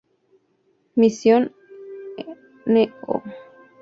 Mission No.